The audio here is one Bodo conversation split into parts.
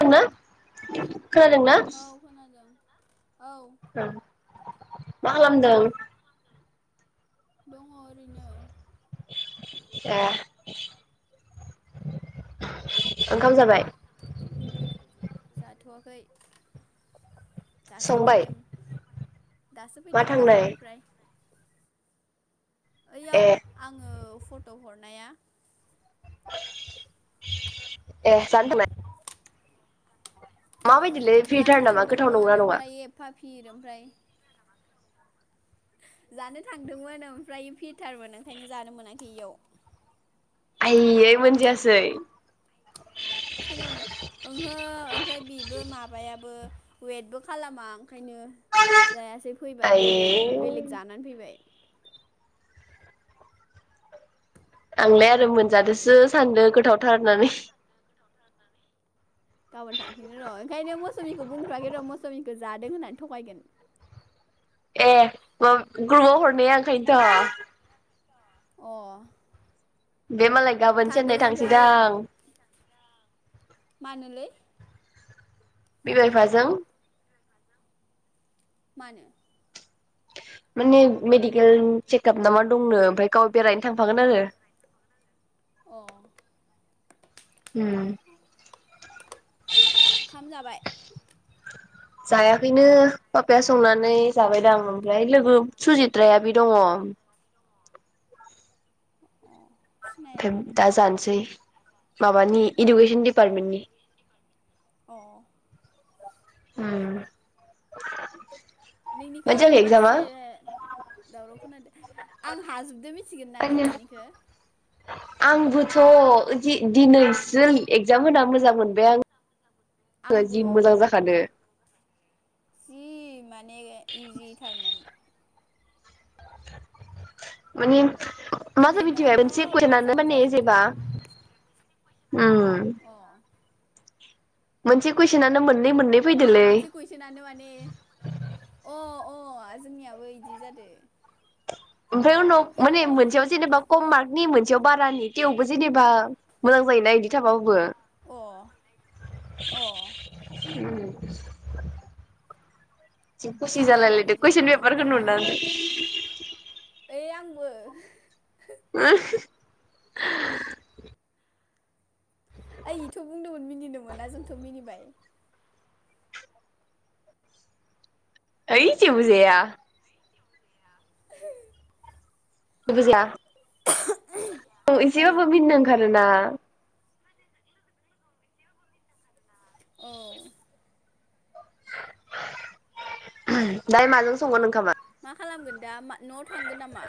औ ना खोनादोंना? खोनादों औ ओं मा खालामदों? दंङ ओरैनो। ए ओंखाम जाबाय? जाथवाखै। दासो संबाय फैदों दासो मा फैदों थांनाय बाहेरनिफ्राय ओयाव ए आंङो फट ट' हरनाया। ए जानो थानाय? माबायदिलै फिउथार नामा गोथाव नंगौ ना नंङा? फिर ओमफ्राय जानो थांदोंमोन ओमफ्राय फिरटारमोन ओंखायनो जानो मोनाखै इयाव। आय यै मोनजायासै? खोनादों ओहो ओमफ्राय बेबो माबायाबो वेटबो खालामा खायनो जायासै फैबाय बेलेग आयै बेलेग जानानै फैबाय। आंलाय आरो मोनजादोसो सानदो गोथावथार होननानै। गाबोन थांफिनगोन र' ओंखायनो मौसुमिखौ बुंथ'वाखै र' मौसुमिखौ जादों होननानै थगायगोन। ए बाब ग्रुपाव हरनाया ओंखायनोथ' अ बे मालाय गाबोन चेन्नाय थांदोंमोन ओमफ्राय थांसैदां [unintelligible] बिमा बिफाजों मानो? माने मेडिकेल चेकआप ना मा दंनो ओमफ्राय गाव बेरायनो थांफागोन आरो अ उम खाम जाबाय? जायाखैनो पापाया संनानै जाबायदां ओमफ्राय लोगो सुजित्राया बि दङ। अ सिनाया [unintelligible] दा जानोसै। माबानि आं इडुकिसन डिपार्टमेन्टनि। अ। उम नोंनिखो मासे दावराव खोनादो? आं हाजोबदो [unintelligible] थिगोन ना आंनिया दिनैनिखो आंबोथ' ओ दि-दिनैसो एगजाम होना मोजां मोनबाय आं। आंबो जि मोजां जाखादो जि मा ने इजिथारमोन। मानि। [unintelligible] मिथिबाय दिनैनाल' मोनसे [unintelligible] मोजां माने जाजोबदो जेबा उम अ मोनसे कुइसनानो मोननै मोननै। फैदोलै मोनसे कुइसनानो माने अ अ अ जोंनियाबो इदि जादो। ओमफ्राय उनाव माने मोनसेयाव जेनेबा खम मार्कनि मोनसेयाव बारानि थेवबो जेनेबा मोजां जायोना इदि थाबाबो। अ अ। [inaudible] जि खुसि जोंनियाबो जालायलायदो बिदिनो कुइसन फैदों पेपारखो ओमफ्राय आयु नुनानै। बो [unintelligible] [unintelligible] ओइ इथ' बुंदोमोन मिनिनो मोना जोंथ' मिनिबाय। ओइ जेबो जाया [unintelligible] [inaudible] औ एसेबाबो मिनिनो ओंखारोना? औ [inaudible] [unintelligible] ओहोम दाय माजों संगोन ओंखामा? मा खालामगोन दा मा न'आव थांगोन नामा?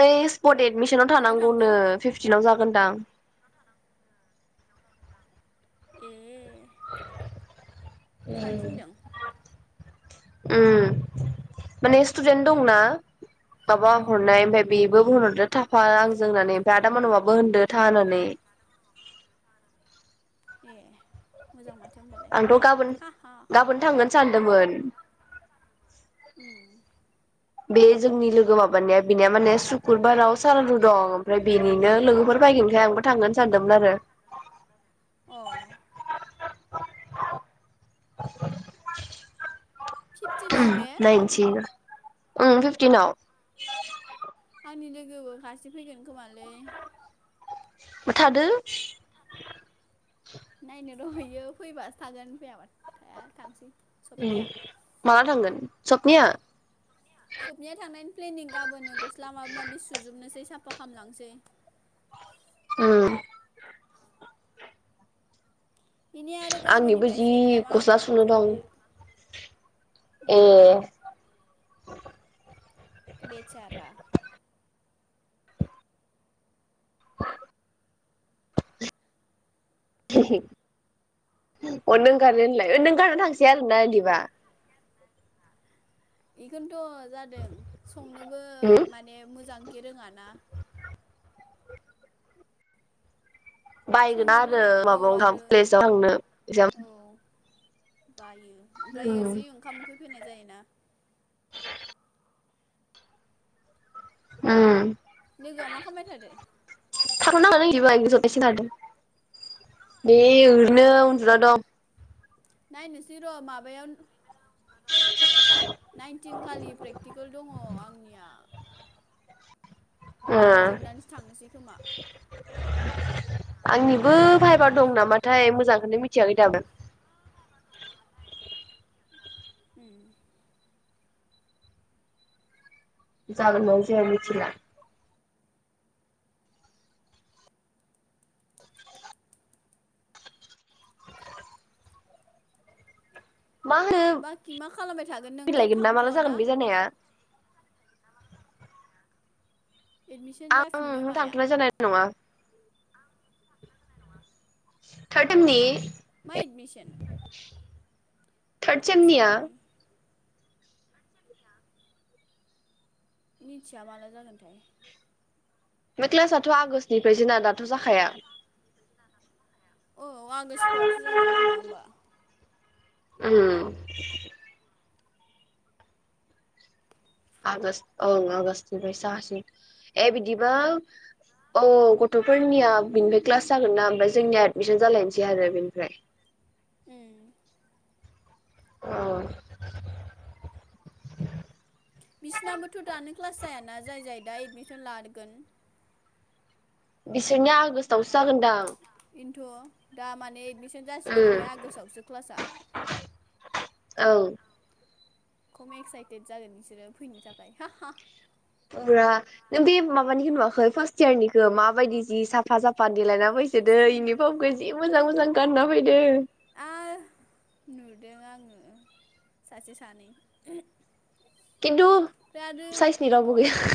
ओइ स पट एदमिसनाव न'आव थानांगौनो थांगोन फिफ्टिनाव जाग गोनदां। ए [inaudible] थांनो थिनदों? उम माने स्टुदेन्ट दंना माबा हरनाय ओमफाय बेबो होनहरदो थाफा आंजों होननानै ओमफाय आदा मानबाबो होनदो था होननानै। [inaudible] ए। मोजां माथो होमबालाय आंथ' गाबोन हा हा गाबोन थांगोन सानदोंमोन। [inaudible] उम बे जोंनि लोगो माबानिया बिनिया माने सुकुरबाराव सारादु दं ओमफ्राय बेनिनो लोगोफोर फायगोनखाय आंबो थांगोन सानदोंमोन आरो। अ [unintelligible] फिफटिनाव ओहोम ने नायनोसै उम फिफटिनाव। आंनि लोगोबो फासे फैगोन खोमालै। थादो। [inaudible] नायनो दहैयो फैबासो थागोन फैयाबा थाया थांसै। उम सबनिया माला थांगोन? सपनिया? सपनिया थांनायनि प्लेनिं गाबोनो गस्ला माबा माबि सुजोबनोसै साफा खालामलांसै। उम बेनि आरो आंनिबो जि गाबोननिफ्रायसो एगजाम गस्ला आंदो सुनो दं थानाया [inaudible] ए उम [inaudible] बेचारा। [inaudible] हेहे [inaudible] अ नों गारनो होनलाय नों गारना थांसै आरोना इदिबा? इखौन थ' जादों संनोबो उम माने मोजांखे रोङा ना। बायगोना संनोबो आरो औ माबायाव आरो [unintelligible] प्लेसाव थांनो जाम औ बायो ओमफ्रायो जि ओंखाम उखै फैनाय जायोना। [inaudible] उम लोगोआ मा खामबाय थादो? [unintelligible] बे ओरैनो उन्दुना दं नायनोसै र' माबायाव [unintelligible] नाइनटिन खालि प्रेक्टिकोल दङ आंनिया ओ इ जोबनानैसो थांनोसै खोमा आंनिबो भायबा दं नामाथाय मोजांखौनो मिथियाखै [unintelligible] उम जागोनना जाया मिथिला मा होनो बाखि मा खालामबाय थागोन नोंथ' फैलायगोन ना माला जागोन थांथ'वाना बे जानाया एडमिसन आं जाफिननो ओहो माया थांथ'नाय जानाय नङा थारटिननि मा एडमिसन थार्द सेमनि मिथिया माला जागोनथाय बे क्लासाथ' आगष्टनिफ्रायसोना दाथ' जाखाया औ आगष्टफोरावसो जागोन खोमा होमबा उम आगष्ट ओं आगष्टनिफ्राय जासि ए बिदिबा औ गथ'फोरनिया बिनिफ्राय क्लास जागोनना ओमफ्राय जोंनिया एडमिसन जालायनोसै आरो बेनिफ्राय उम अ बिसिनाबोथ' दानो क्लास जायाना जाय जाय दा एडमिसन लागोन बिसोरनिया आगष्टावसो जागोनदां खिन्थु दा माने एडमिसन जासिगोन उम ओमफ्राय आगष्टावसो क्लासा ओं खम एक्साइटेड जागोन बिसोरो फैनो थाखाय पुरा नों बे माबानिखौ नुवाखै फार्स्ट इयारनिखो माबायदि जि साफा साफा देलायना फैसो दो सिथोरनि इउनिफ्रमखौ जि मोजां मोजां गानना फैदो आ नुदों आङो सासे सानै किन्तु ओमफ्राय आरो साइजनि अ रावबो गैया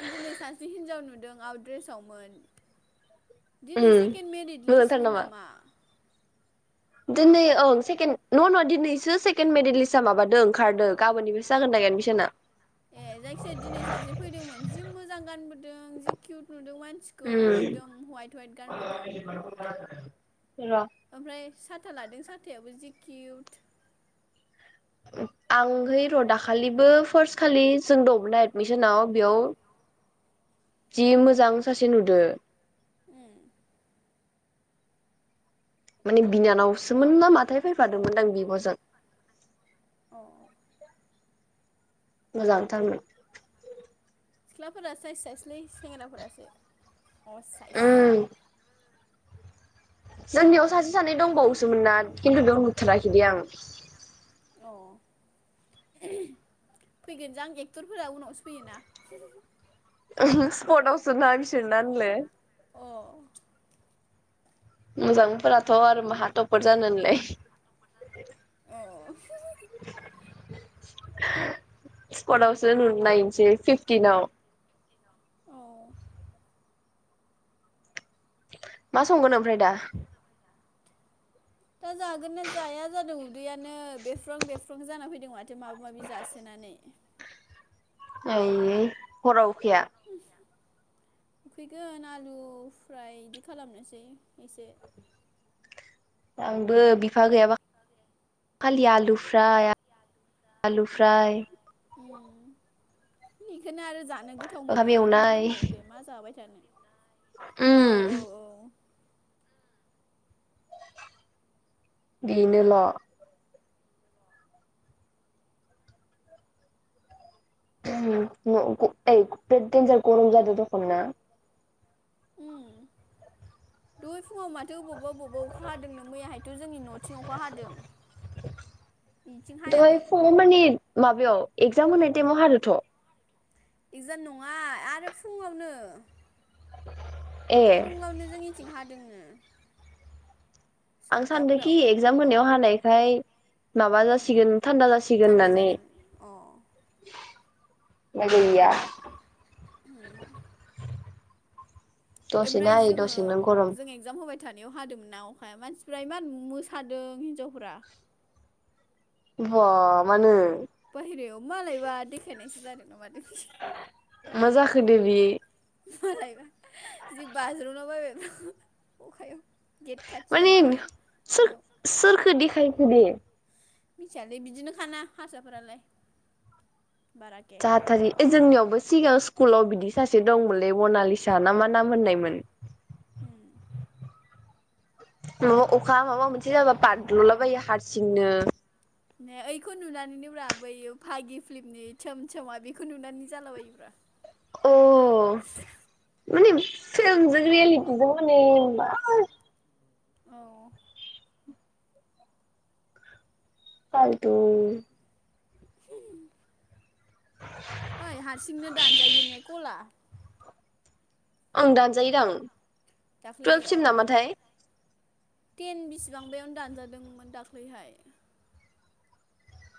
आं दिनै सासे हिनजाव नुदों आवट द्रेसावमोन दिनै उम सेकेन्द मेरिट लिस्टमोन नामा दिनै औ सेकेणड नंङा नंङा दिनैसो सेकेण्ड मेडेलिस्टआ माबादों ओंखारदों गाबोननिफ्रायसो जागोन दां एडमिसना ए जायखिजाया दिनै सासे फैदोंमोन जि मोजां गानबोदों जि किउट नु आद मानसिखौ उम एकदम हवाइट हवाइट गानबोदों र ओमफ्राय साथा लादों साथायाबो जिकिउट आंहै र' दाखालिबो फार्स्ट खालि जों दंना एदमिसनाव बेयाव जि मोजां सासे नुदो [inaudible] माने बिनानावसोमोन ना माथाय फैफादोंमोन आं बिब'जों औ मोजांथारमोन सिख्लाफोरा सायस जायसलै सेंग्राफोरासो अाइस उम जोंनियाव सासे सानै दंबावोसोमोन ना खिन्थु बेयाव होथाराखै द आं अ फैगोन जां आं एक्टरफोरा उनावसो फैयोना [unintelligible] अ मोजांफोराथ' आरो माहाथप जानोनलाय अ स्कटवसो ननो नायनोसै फिफटिनाव औ मा संगोन ओमफ्राय दा? दा जागोन ना जाया जादों उदैयानो बेफ्र्रं बेफ्र्रं जाना फैदों माथो। माथो माबा माबि जासोनानै। [unintelligible] हराव [unintelligible] उखैगोन आलु फ्राय इदि खालामनोसै एसे आंबो बिफा गैयाबा [unintelligible] खालि आलु फ्राय [unintelligible] आलु फ्राय बेखायनो आरो जानो गोथाव मोनो ओंखाम आरो मा एवनाय दंबावो दे मा जाबाय थानो? औ उम औ औ बेनो ल' [unintelligible] देनजार गरम जादों थखना [unintelligible] फुङाव माथो बबावबा बबावबा अखा हादोंनों मैयाहायथ' जोंनि न'थिं अखा हादों बिथिं हायाखै एक्जामप होनाय ताइम आउ हादों ठ इकजाम नङा आरो फुङावनो ए फुङावनो जोंनि थिंहा दोङनो आं सानदोंखि एक्जाम होनायाव हानायखाय माबा उम जासिगोन थान्दा जासिगोन थान्दा होननानै। जागोन अ मागै गैया हुम। दसेनो हायै जोङो दसे नो गरम। जों एगजाम होबाय थानायाव हादोंमोनना अखाया मानसिफ्रा इमान मोसादों हिनजावफोरा बा मानो बाहेरायाव मालायबा देखायनायसै। जादों ना मादों माजाखो दे बे? मालायबा जि बाज्र'ना बायबाय अखायाव गेट खाथियाव माने माबायाव सोर बेयाव सोरखो देखायखो दे। मिथियालै बिदिनो खाना हारसाफोरालाय। बाराके जाथारि ओ जोंनियावबो सिगाङां स्कुलाव बिदि सासे दंमोनलै बनालिसा ना मा नाम होननायमोन। ए माबा अखा माबा मोनसे जाबा बाद्लुलाबायो हारसिंनो। ने ओखौ नुनानैनो ब्रा बै भागि फिल्मनि सोम सोमा बेखौ नुनानै जालाबायोब्रा अ। माने फिल्मजों रियेलिटिजों माने मा औ। फालथु। ओइ हारसिंनो दानजायो ने कला? ओं दानजायोदां। दाख्लै औ टुवेल्भसिम नामाथाय। टेन बिसिबांबयावनो दानजादोंमोन दाख्लैहाय।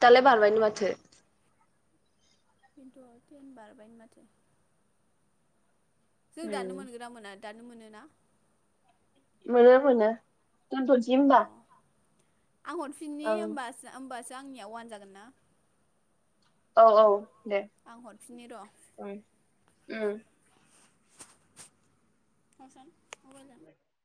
दालाय बारबायनो माथो। खिन्थु तेन बारबायाय माथो जों दानो मोनगोना मोना? दानो मोन ना? मोनो मोनो। दोनथ'नोसै अ होनबा? आं हरफिननि होबास होबास दा आंनिया वान जागोन ना? औ औ। दे। आं हरफिननि र' [unintelligible] [unintelligible]